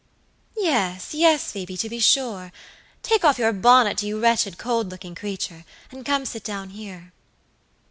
"Yes, yes, Phoebe, to be sure. Take off your bonnet, you wretched, cold looking creature, and come sit down here."